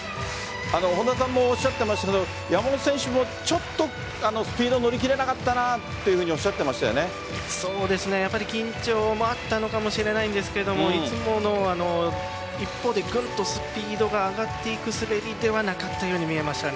本田さんもおっしゃっていましたけど山本選手もちょっとスピードに乗りきれなかったというふうにそうですねやはり緊張もあったのかもしれませんけどいつもの１歩でぐんとスピードが上がってくる滑りではなかったように見えました。